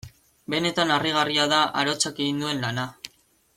Benetan harrigarria da arotzak egin duen lana.